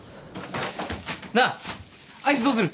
なあアイスどうする。